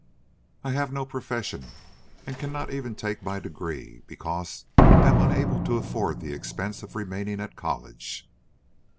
I have no profession and cannot even take my degree, because I am unable to afford the expense of remaining at college."